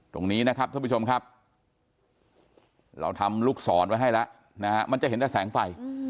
ตรงนี้นะครับท่านผู้ชมครับเราทำลูกศรไว้ให้แล้วนะฮะมันจะเห็นแต่แสงไฟ